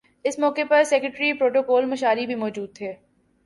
اس موقع پر secretary protocol مشاری بھی موجود تھے